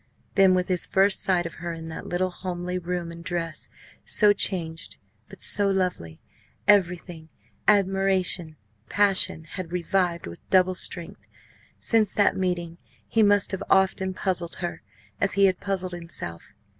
Then, with his first sight of her in that little homely room and dress so changed, but so lovely! everything admiration, passion had revived with double strength. Since that meeting he must have often puzzled her, as he had puzzled himself.